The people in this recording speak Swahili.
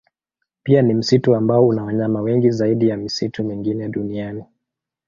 Pia ni msitu ambao una wanyama wengi zaidi ya misitu mingine duniani.